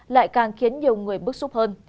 lại càng khiến nhiều người bức xúc hơn